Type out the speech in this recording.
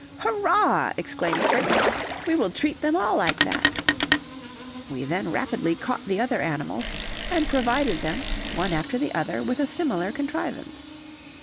"Hurrah!" exclaimed Fritz, "we will treat them all like that." We then rapidly caught the other animals and provided them, one after the other, with a similar contrivance.